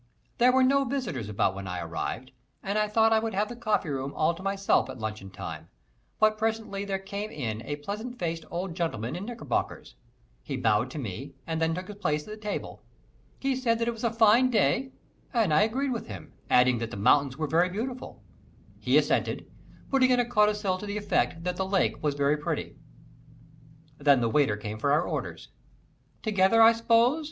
There were no visitors about when I arrived, and I thought I would have the coffeeroom all to myself at luncheon time; but presently there came in a pleasant faced old gentleman in knickerbockers. He bowed to me and then took a place at the table. He said that it was a fine day and I agreed with him, adding that the mountains were very beautiful. He assented, putting in a codicil to the effect that the lake was very pretty. Then the waiter came for our orders. "Together, I s'pose?"